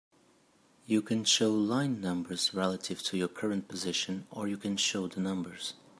You can show line numbers relative to your current position, or you can show the numbers.